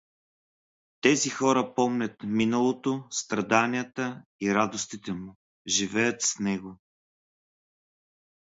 Тези хора помнят миналото, страданията и радостите му, живеят с него.